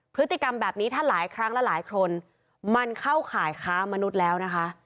พฤติกรรมแบบนี้ถ้าหลายครั้งและหลายคนมันเข้าข่ายค้ามนุษย์แล้วนะคะ